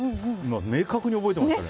明確に覚えてますね。